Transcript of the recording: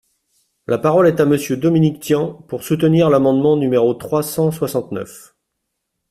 La parole est à Monsieur Dominique Tian, pour soutenir l’amendement numéro trois cent soixante-neuf.